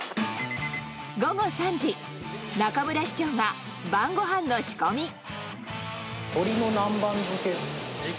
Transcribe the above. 午後３時、中村士長が晩ごはんの仕込み。